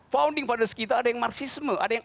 founding fathers kita ada yang marxisme ada yang